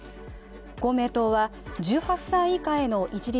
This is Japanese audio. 公明党は１８歳以下への一律